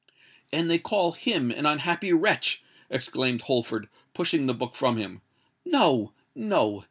"And they call him an unhappy wretch!" exclaimed Holford, pushing the book from him: "no—no!